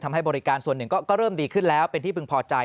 ให้บริการส่วนหนึ่งก็เริ่มดีขึ้นแล้วเป็นที่พึงพอใจ